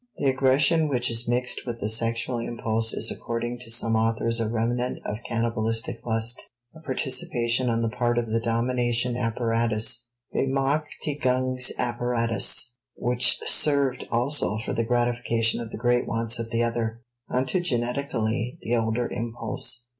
The aggression which is mixed with the sexual impulse is according to some authors a remnant of cannibalistic lust, a participation on the part of the domination apparatus (Bemächtigungsapparatus), which served also for the gratification of the great wants of the other, ontogenetically the older impulse.